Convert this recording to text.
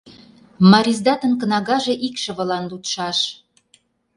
Мариздатын кнагаже икшывылан лудшаш.